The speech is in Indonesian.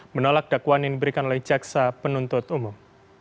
menolak dakwaan yang diberikan oleh jaksa penuntut umum